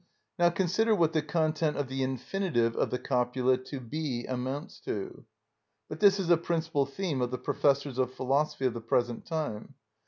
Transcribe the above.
Now, consider what the content of the infinitive of the copula "to be" amounts to. But this is a principal theme of the professors of philosophy of the present time.